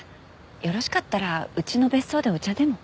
よろしかったらうちの別荘でお茶でも。